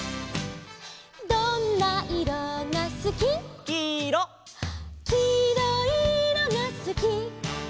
「どんないろがすき」「」「きいろいいろがすき」